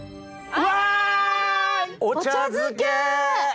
うわ！